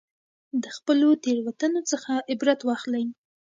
د خپلو تېروتنو څخه عبرت واخلئ.